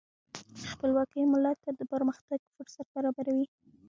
خپلواکي ملت ته د پرمختګ فرصت برابروي.